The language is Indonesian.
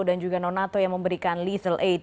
dan juga non nato yang memberikan lethal aid